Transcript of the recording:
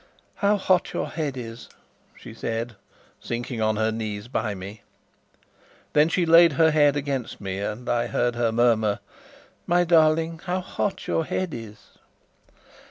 "How hot your head is," she said, sinking on her knees by me. Then she laid her head against me, and I heard her murmur: "My darling, how hot your head is!"